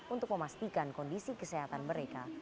untuk memastikan kondisi kesehatan mereka